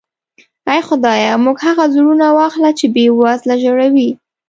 اې خدایه موږ هغه زړونه واخله چې بې وزله ژړوي.